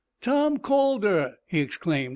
"Tom Calder!" he exclaimed.